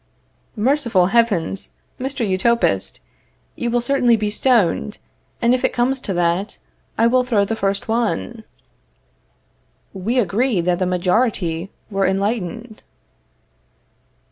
Merciful Heavens, Mr. Utopist! You will certainly be stoned, and, if it comes to that, I will throw the first one. We agreed that the majority were enlightened.